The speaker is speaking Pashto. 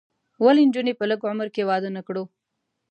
ولې نجونې په لږ عمر کې واده نه کړو؟